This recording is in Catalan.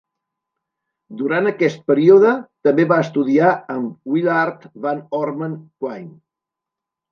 Durant aquest període també va estudiar amb Willard Van Orman Quine.